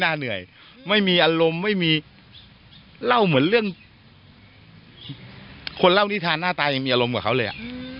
เหนื่อยไม่มีอารมณ์ไม่มีเล่าเหมือนเรื่องคนเล่านิทานหน้าตายังมีอารมณ์กับเขาเลยอ่ะ